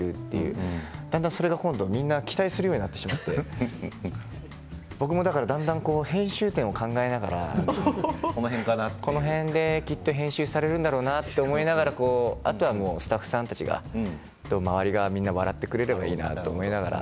それがどんどんみんな期待するようになってしまって僕もだんだん編集点を考えながらこの辺できっと編集されるんだろうなと思いながらあとスタッフさんたちがあと周りが笑ってくれればいいなと思いながら。